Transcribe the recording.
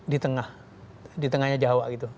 di tengah di tengahnya jawa gitu